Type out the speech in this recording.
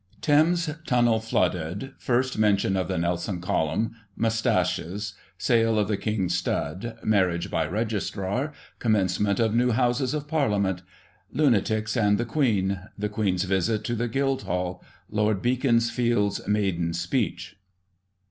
Thames Tunnel flooded — First mention of the Nelson column — Moustaches — Sale of the King's stud — Marriage by Registrar — Commencement of New Houses of Parliament— Lunatics and the Queen — The Queen's visit to the Guildhall — Lord Beaconsfield's maiden speech.